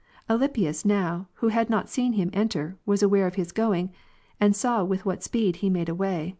Aly pius now, who had not seen him enter, was aware of his going, and saw with what speed he made away.